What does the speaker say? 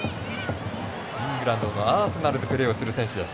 イングランドのアーセナルでプレーをする選手です。